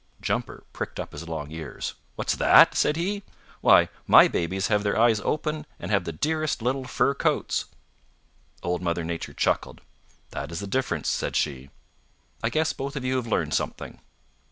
Jumper pricked up his long ears. "What's that?" said he. "Why, my babies have their eyes open and have the dearest little fur coats!" Old Mother Nature chuckled. "That is the difference," said she. "I guess both of you have learned something."